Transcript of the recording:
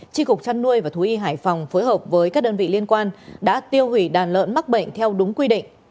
tri cục trăn nuôi và thú y hải phòng phối hợp với các đơn vị liên quan đã tiêu hủy đàn lợn mắc bệnh theo đúng quy định